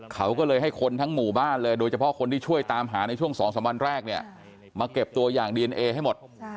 เขาก็เลยให้คนทั้งหมู่บ้านเลยโดยเฉพาะคนที่ช่วยตามหาในช่วง๒๓วันแรกเนี่ยมาเก็บตัวอย่างดีเอนเอให้หมด